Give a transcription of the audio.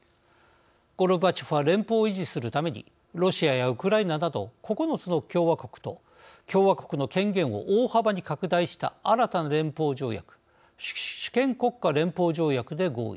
ゴルバチョフは連邦を維持するためにロシアやウクライナなど９つの共和国と共和国の権限を大幅に拡大した新たな連邦条約主権国家連邦条約で合意。